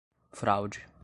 fraude